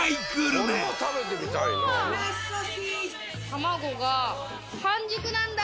卵が半熟なんだ。